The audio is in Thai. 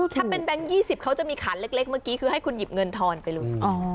ถ้าเป็นแบงค์๒๐เขาจะมีขานเล็กเมื่อกี้คือให้คุณหยิบเงินทอนไปเลย